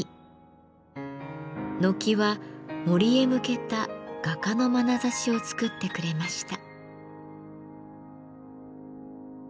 軒は森へ向けた画家のまなざしを作ってくれました。